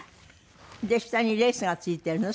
で下にレースが付いてるの？